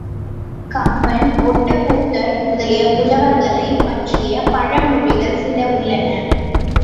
கம்பன், ஒட்டக்கூத்தர் முதலிய புலவர்களைப் பற்றிய பழமொழிகள் சில உள்ளன.